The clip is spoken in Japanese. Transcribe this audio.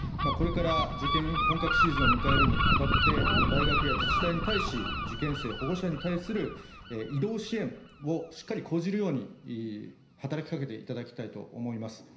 これから受験本格シーズンを迎えるにあたって、大学や自治体に対し、受験生、保護者に対する移動支援をしっかり講じるように、働きかけていただきたいと思います。